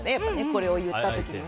これを言った時に。